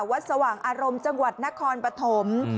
สว่างอารมณ์จังหวัดนครปฐม